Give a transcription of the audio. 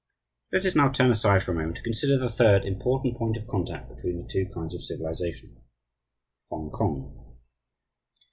Let us now turn aside for a moment to consider the third important point of contact between the two kinds of civilization Hongkong.